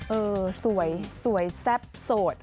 เออสวยสวยแซ่บโสด